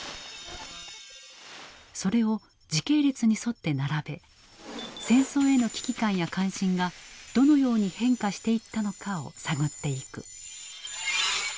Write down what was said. それを時系列に沿って並べ戦争への危機感や関心がどのように変化していったのかを探っていく。